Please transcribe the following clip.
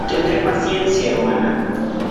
tendré paciencia, hermana.